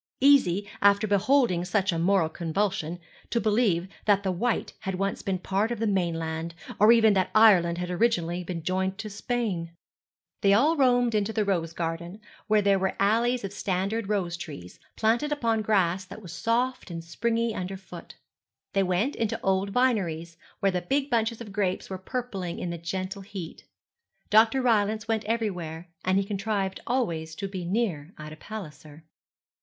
Easy, after beholding such a moral convulsion, to believe that the Wight had once been part of the mainland; or even that Ireland had originally been joined to Spain. They all roamed into the rose garden, where there were alleys of standard rose trees, planted upon grass that was soft and springy under the foot. They went into the old vineries, where the big bunches of grapes were purpling in the gentle heat. Dr. Rylance went everywhere, and he contrived always to be near Ida Palliser.